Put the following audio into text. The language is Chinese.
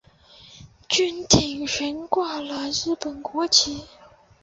军舰悬挂了日本国旗。